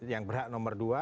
yang berhak nomor dua